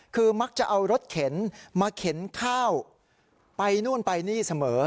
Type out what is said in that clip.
คือมักจะเอารถเข็นมาเข็นข้าวไปนู่นไปนี่เสมอ